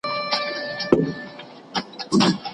ستا مست خال ټاكنيز نښان دی